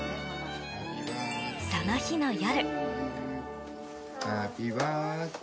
その日の夜。